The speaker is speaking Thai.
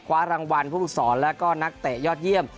คว้ารางวัลผู้ฝึกศรแล้วก็นักเตะยอดเยี่ยม